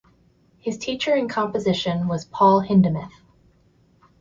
His teacher in composition was Paul Hindemith.